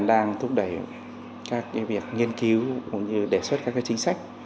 đang thúc đẩy các việc nghiên cứu cũng như đề xuất các chính sách